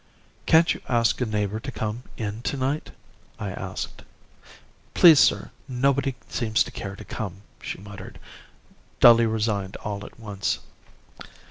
"'Can't you ask a neighbour to come in tonight?' I asked. "'Please, sir, nobody seems to care to come,' she muttered, dully resigned all at once.